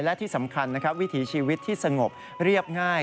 และที่สำคัญนะครับวิถีชีวิตที่สงบเรียบง่าย